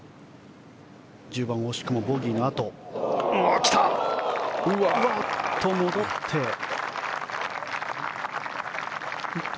１０番、惜しくもボギーのあとですが戻っていった。